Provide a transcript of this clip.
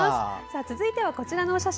続いてはこちらのお写真。